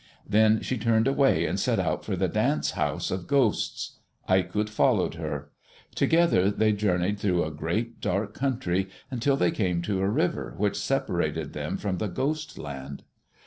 Then she turned away and set out for the dance house of ghosts. Aikut followed her. Together they journeyed through a great, dark country, until they came to a river which separated them from the Ghost land.